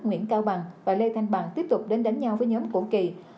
nguyễn cao bằng và lê thanh bằng tiếp tục đến đánh nhau với nhóm của kỳ